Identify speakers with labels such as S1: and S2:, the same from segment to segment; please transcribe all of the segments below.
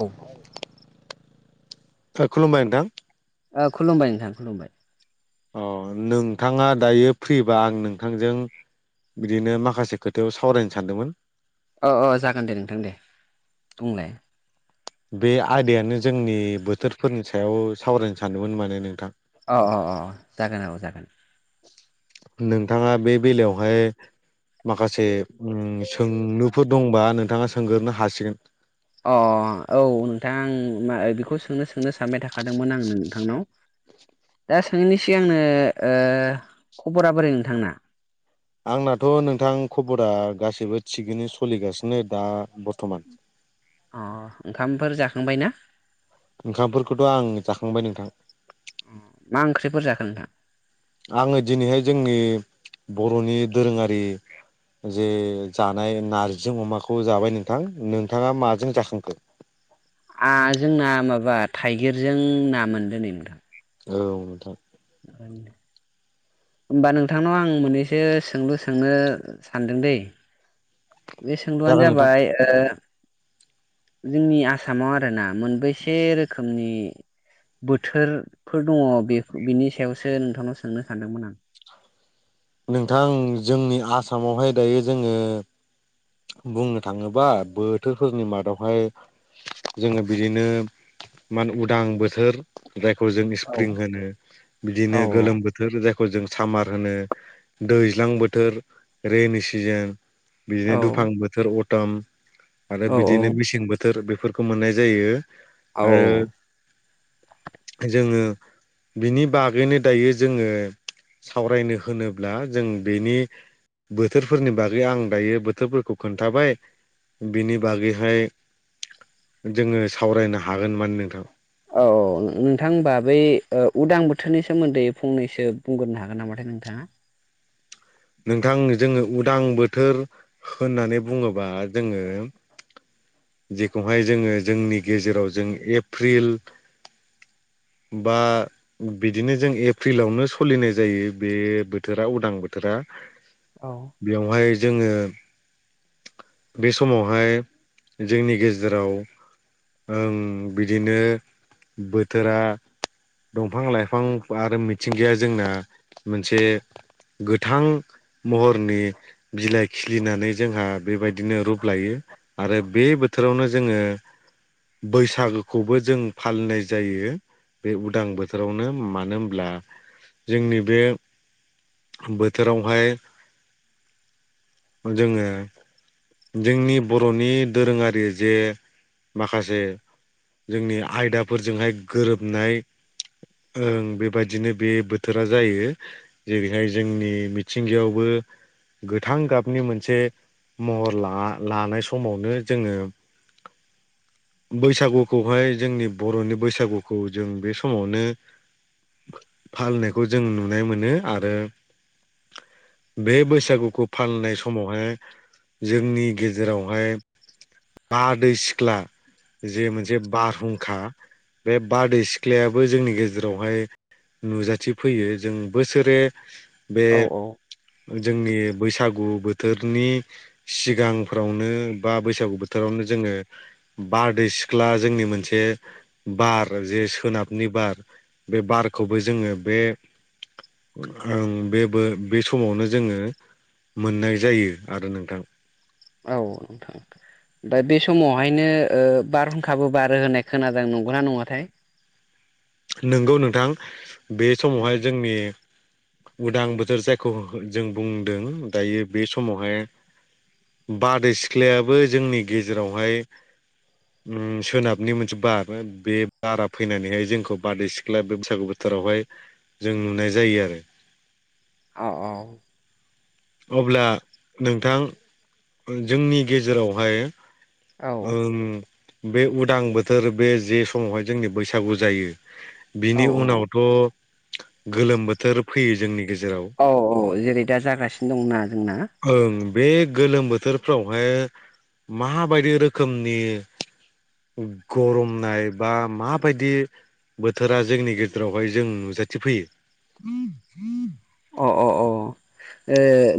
S1: औ
S2: खुलुमबाय नोंथां।
S1: खुलुमबाय नोंथां खुलुमबाय।
S2: अ नोंथाङा दायो फ्रिबा आं नोंथांजों बिदिनो माखासे खोथायाव सावरायनो सानदोंमोन
S1: अ अ जागोन दे नोंथां दे बुंलाय
S2: बे आदायानो जोंनि बोथोरफोरनि सायाव सावरायनो सानदोंमोन माने नोंथां
S1: औ औ अ जागोन औ जागोन
S2: नोंथाङा बे बेलायावहाय माखासे सोंनोफोर दंबा नोंथाङा सोंगोरो हासिगोन
S1: अ औ नोंथां म बेखौ सोंनो सोंनो सानबाय थाखादोंमोन आंनो नोंथांनाव दा सोंनि सिगां आंनो ओ ओ खबरा बोरै नोंथांना
S2: आंनाथ' नोंथां खबरा गासैबो थिगैनो सोलिगासिनो दा बर्थ'मान
S1: अ ओंखामफोर जाखांबाय ना
S2: ओंखामफोरखौथ' आं जाखांबाय नोंथां
S1: अ मा ओंख्रिफोर जाखो नोंथां
S2: आङो दिनैहाय जोंनि बर'नि दोरोङारि जे जानाय नारजि अमाखौ जाबाय नोंथां नोंथाङा माजों जाखांखो
S1: आ आ जोंना माबा थाइगिरजों ना मोन दो नै नोंथां
S2: औ नोंथां
S1: [inaudible] होमबा नोंथांनाव आं मोननैसो सोंलु सोंनो सानदों दै बे सोंलुआनो
S2: जागोन नोंथां
S1: जाबाय जोंनि आसामाव आरोना मोनबैसे रोखोमनि बोथोरफोर दङ बे बिनि सायावसो नोंथांनाव सोंनो सानदोंमोन आं
S2: नोंथां जोंनि आसामावहाय दायो जोङो बुंनो थाङोबा बोथोरफोरनि मादावहाय जोङो बिदिनो मान उदां बोथोर जायखौ जों
S1: औ
S2: स्प्रिं होनो बिदिनो
S1: औ
S2: गोलोम बोथोर बोथोर जायखौ जों सामार होनो दैज्लां बोथोर रेनि सिजोन बिदिनो
S1: औ
S2: दुफां बोथोर अथम आरो
S1: औ
S2: बिदिनो मेसें बोथोर बोथोर बेफोरखौ मोननाय जायो
S1: औ
S2: आरो जोङो बिनि बागैनो दायो जोङो सावरायनो होनोब्ला जों बेनि बोथोरफोरनि बागै आं दायो बोथोर खौ खोन्थाबाय बिनि बागैहाय जोङो सावरायनो हागोन मान नोंथां
S1: औ औ नोंथांबा बै उदां बोथोरनि सोमोन्दै फंनैसो बुंग्रोनो हागोन नामाथाय नोंथाङा
S2: नोंथां जोङो उदां बोथोर होननानै बुङोबा जोङो जेखौहाय जोङो जोंनि गेजेराव जों एप्रिल बा बिदिनो जों एप्रिलावनो सोलिनाय जायो बे बोथोरा उदां बोथोरा
S1: औ
S2: बेवहाय जोङो बे समावहाय जोंनि गेजेराव ओं बिदिनो बोथोरा दंफां लाइफां आरो मिथिंगाया जोंना मोनसे गोथां महरनि बिलाइ खिलिनानै जोंहा बेबायदिनो रुप लायो। आरो बे बोथोरावनो जोङो बैसागोखौबो जों फालिनाय जायो बे उदां बोथोरावनो मानो होनब्ला जोंनि बे बोथोरावहाय जोङो जोंनि बर'नि दोरोङारि जे माखासे जोंनि आयदाफोरजोंहाय गोरोबनाय ओं बेबायदिनो बे बोथोरा जायो जाय जोंनि मिथिंगायावबो गोथां गाबनि मोनसे महर लानाय समावनो जोङो बैसागुखौहाय जोंनि बर'नि बैसागुखौ जों बे समावनो फालिनायखौ जों नुनाय मोनो आरो
S1: [inaudible]
S2: बे बैसागुखौ फालनाय समावहाय जोंनि गेजेरावहाय हा दैै सिख्ला जे मोनसे बारहुंखा बे बारदै सिख्लायाबो जोंनि गेजेरावहाय नुजाथिफैयो जों बोसोरे बे
S1: औ औ
S2: जोंनि बैसागु बोथोरनि सिगांफ्रावनो बा बैसागु बोथोरावनो जोङो बारदै सिख्ला जोंनि मोनसे बार जे सोनाबनि बार बे बारखौबो जोङो बे ओं बेबो बे समावनो जोङो मोननाय जायो आरो नोंथां।
S1: औ नोंथां। दमा बे समावहायनो ओ बारहुंखाबो बारो होनाय खोनादों नंगौना नङाथाय
S2: नंगौ नोंथां बे समावहाय जोंनि उदां बोथोर जायखौ जों बुंदों दायो बे समावहाय बादै सिख्लायाबो जोंनि गेजेरावहाय ओं सोनाबनि मोनसे बार बे बारा फैनानैहाय जोंखौ बादै सिख्ला बे बैसागु बोथोरावहाय जों नुनाय जायो आरो।
S1: औ औ।
S2: अब्ला नोंथां जोंनि गेजेरावहाय
S1: औ
S2: ओं बे उदां बोथोर बे जे समावहाय जोंनि बैसागु जायो।
S1: औ
S2: बिनि उनावथ' गोलोम बोथोर फैयो जोंनि गेजेराव
S1: औ औ जेरै दा जागासिनो दंना जोंना।
S2: ओं बे गोलोम बोथोरफ्रावहाय माबायदि रोखोमनि गरमनाय बा माबायदि बोथोरा जोंनि गेजेरावहाय जों नुजाथिफैयो।
S1: अह। अ अ ओ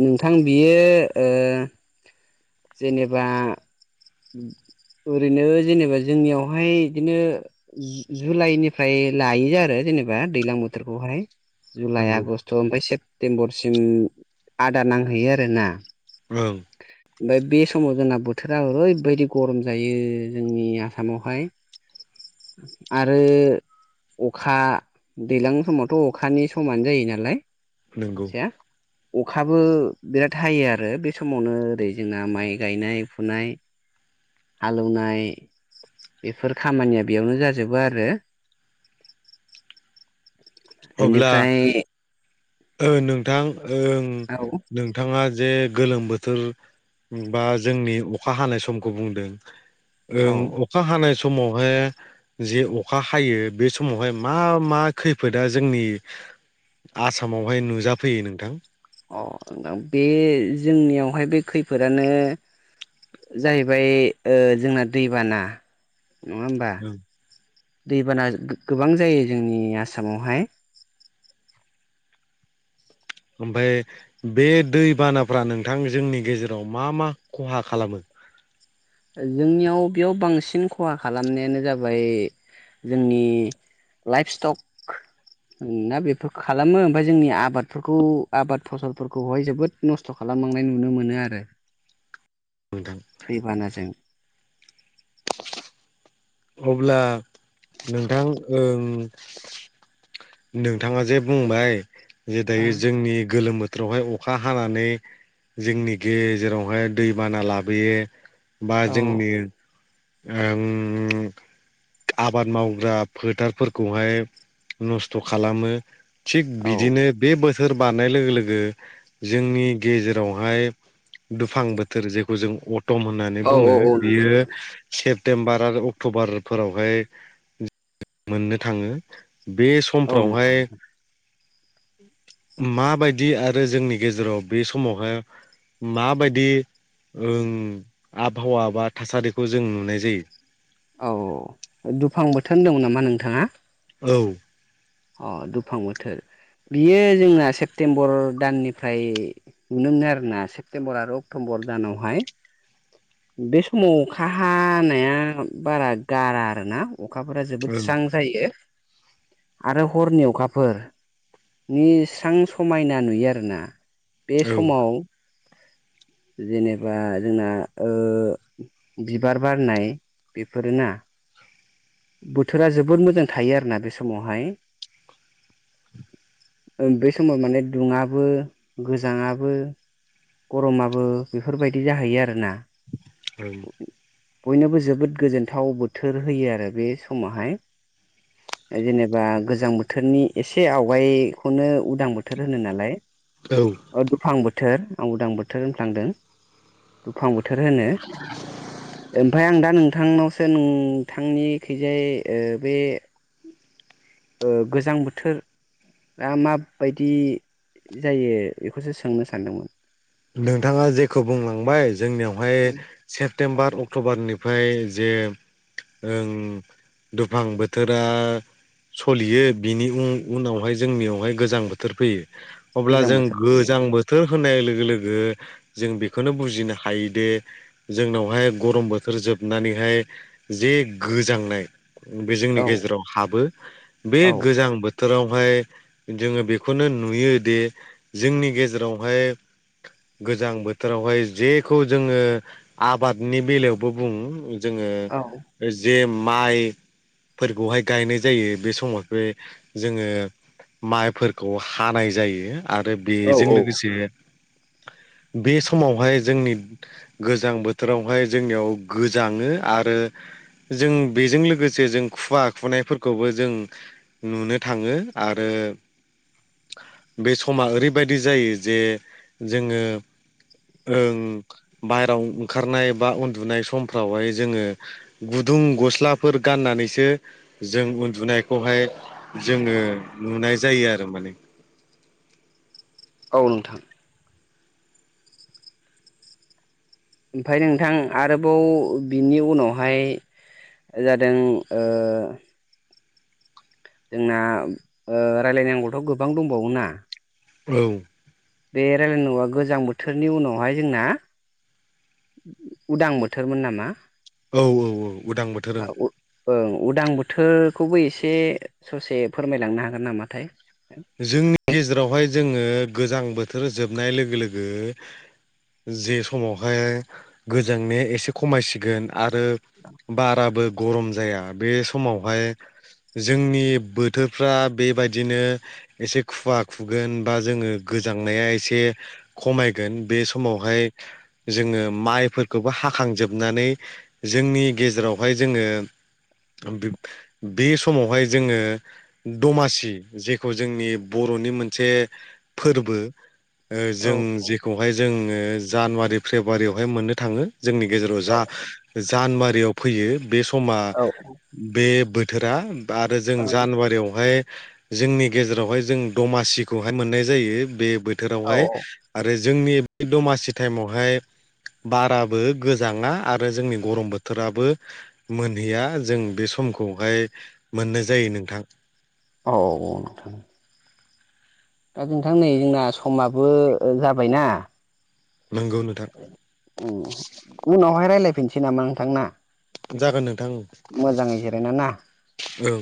S1: नोंथां बियो ओ जेनेबा ओरैनो जेनेबा जोंनियावहाय इदिनो जु-जुलाइनिफ्राय लायो आरो जेनेबा दैलां बोथोरखौहाय जुलाइ
S2: नंगौ
S1: आगस्ट ओमफाय सेप्तेमबरसिम आदा नांहैयो आरोना।
S2: ओं।
S1: ओमफाय बे समाव जोंना बोथोरा ओरैबायदि गरम जायो जोंनि आसामावहाय आरो अखा दैलां समावथ' अखानि समानो जायो नालाय।
S2: नंगौ
S1: हसेया अखाबो बिराद हायो आरो बे समावनो ओरै जोंना माइ गायनाय-फुनाय, हालौवनाय बेफोर खामानिया बेयावनो जाजोबो आरो।
S2: अब्ला
S1: बेनिफ्राय
S2: ओ नोंथां ओं नों
S1: औ
S2: नोंथाङा जे गोलोम बोथोर बा जोंनि अखा हानाय समखौ बुंदों ओं
S1: औ
S2: अ अखा हानाय समावहाय जे अखा हायो बे समावहाय मा मा खैफोद दा जोंनि आसामावहाय नुजाफैयो नोंथां?
S1: अ नोंथां बे जोंनियावहाय बे खैफोदानो जाहैबाय ओ जोंना दैबाना नङा होमबा? दैबाना गो-गोबां जायो जोंनि आसामावहाय।
S2: ओमफाय बे दैबानाफ्रा नोंथां जोंनि गेजेराव मा मा खहा खालामो?
S1: जोंनियाव बेयाव बांसिन खहा खालामनायानो जाबाय जोंनि लाइफ स्टक ना बेफोर खालामो ओमफाय जोंनि आबादफोरखौ आबाद फसलफोरखौहाय जोबोद नस्थ' खालामलांनाय नुनो मोनो आरो।
S2: नोंथां
S1: दै बानाजों
S2: अब्ला नोंथां ओं नोंथाङा जे बुंबाय जे दायो जोंनि गोलोम बो थोरावहाय अखा हानानै जोंनि गेजेरावहाय दैबाना लाबोयो बा
S1: औ
S2: जोंनि ओम आबाद मावग्रा फोथारफोरखौहाय नस्थ' खालामो थिग
S1: औ
S2: बिदिनो बे बोसोर बारनाय लोगो-लोगो जोंनि गेजेरावहाय दुफां बोथोर जेखौ जों अटम होननानै
S1: औ
S2: बुङो
S1: औ नंगौ
S2: बियो
S1: नोंथां
S2: सेप्तेम्बार आरो अक्ट'बारफोरावहाय मोननो थाङो। बे
S1: औ नंगौ
S2: समफ्रावहाय
S1: [inaudible] [inaudible]
S2: माबायदि आरो जोंनि गेजेराव बे समावहाय माबायदि ओम आबहावा बा थासारिखौ जों नुनाय जायो?
S1: औ दुफां बोथोर होन्दोंमोन नामा नोंथाङा?
S2: औ
S1: अ दुफां बोथोर। बियो जोंना सेप्तेम्बर दाननिफ्राय नुनो मोनो आरो ना सेप्तेम्बर आरो अक्ट'बर दानावहाय। बे समाव अखा हानाया बारा गारा आरो ना। अखाफोरा जोबोद
S2: ओं
S1: स्रां जायो। आरो हरनि अखाफोर नि स्रां समायना नुयो आरोना। बे
S2: औ
S1: समाव जेनेबा जोंना ओ बिबार बारनाय बेफोरोना बोथोरा जोबोद मोजां थायो आरोना बे समावहाय। ओं बे समाव माने दुङाबो गोजाङाबो गर'माबो बेफोरबायदि जाहैयो आरो ना।
S2: ओं
S1: बयनोबो जोबोद गोजोनथाव बोथोर होयो आरो बे समावहाय। जेनेबा गोजां बोथोरनि एसे आवगायखौनो उदां बोथोर होनो नालाय।
S2: ओं
S1: अ दुफां बोथोर आं उदां बोथोर होनफ्लांदों। दुफां बोथोर होनो। ओमफाय आं दा नोंथांनावसो नोंथांनि खिजाय ओ बे अ गोजां बोथोर दा मा बायदि जायो बेखौसो सोंनो सानदोंमोन।
S2: नोंथाङा जेखौ बुंलांबाय जोंनियावहाय सेप्तेम्बार अक्ट'बारनिफ्राय जे ओं दुफां बोथोरा सलियो बिनि उन उनावहाय जोंनियावहाय गोजां बोथोर फैयो। अब्ला
S1: गोजां
S2: जों
S1: बोथोर
S2: गोजां बोथोर होनाय लोगो लो गो जों बेखौनो बुजिनो हायोदे जोंनावहाय गरम बोथोर जोबनानैहाय जे गोजांनाय बे जोंनि
S1: औ
S2: गेजेराव हाबो। बे
S1: औ
S2: गोजां बो बोथोरावहाय जोङो बेखौनो नुयो दि जोंनि गेजेरावहाय गोजां बोथोरावहाय जेखौ जोङो आबादनि बेलायावबो बुङो जोङो
S1: औ
S2: जे माइ फोरखौहाय गायनाय जायो बे समाव बे जोङो माइफोरखौ हानाय जायो आरो
S1: औ
S2: बेजों
S1: औ
S2: लोगोसे बे समावहाय जोंनि गोजां बोथोरावहाय जोंनियाव गोजाङो आरो जों बेजों लोगोसे जों खुवा खुनायफोरखौबो जों नुनो थाङो आरो बे समा ओरैबायदि जायो जे जोङो ओं बाहेरायाव ओंखारनाय बा उन्दुनाय समफ्रावहाय जोङो गुदुं गस्लाफोर गाननानैसो जों उन्दुनायखौहाय जोङो नुनाय जायो आरो माने
S1: औ नोंथां ओमफ्राय नोंथां आरोबाव बिनि उनावहाय जादों ओ जोंना ओ रायलायनांगौथ' गोबां दंबावोना
S2: औ
S1: बे रायजलायनांगौआ गोजां बोथोरनि उनावहाय जोंना उदां बोथोरमोन नामा?
S2: औ औ औ उदां बोथोर ओं
S1: औ उदां बोथोरखौबो एसे ससे फोरमायलांनो हागोन नामाथाय
S2: जोंनि गेजेरावहाय जोङो गोजां बोथोर जोबनाय लोगो लोगो जे समावहाय गोजांनो एसे खमायसिगोन आरो बाराबो गरम जाया बे समावहाय जोंनि बोथोरफ्रा बेबायदिनो एसे खुवा खुगोन बा जोङो गोजांनाया एसे खमायगोन बे समावहाय जोङो माइफोरखौबो हाखांजोबनानै जोंनि गेजेरावहाय जोङो बे समावहाय जोङो दमासि जेखौ जोंनि बर'नि मोनसे फोरबो ओ
S1: औ
S2: जों जि खौहाय जोङो जानुवारि फेब्रुवारियावहाय मोननो थाङो जोंनि गेजेराव
S1: औ
S2: जा जानुवारियाव फैयो बे समा
S1: औ
S2: बे बोथोरा आरो जों जानुवारियावहाय जोंनि गेजेरावहाय जों दमासिखौहाय मोननाय जायो बे
S1: औ
S2: बोथोरावहाय आरो जोंनि बै दमासि टाइमावहाय बाराबो गोजाङा आरो जोंनि गरम बोथोराबो मोनहैया जों बे समखौहाय मोननाय जायो नोंथां
S1: औ नोंथां दा नोंथां नै जोंना समाबो जाबायनाा
S2: नोंगौ नों
S1: उनावहाय रायजलायफिनसै नामा नोंथांना
S2: जागोन
S1: मोजाङै जिरायना
S2: औ